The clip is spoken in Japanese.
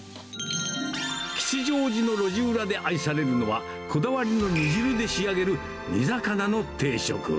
吉祥寺の路地裏で愛されるのは、こだわりの煮汁で仕上げる煮魚の定食。